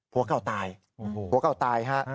ผัวเก่าตายผัวเก่าตายฮะ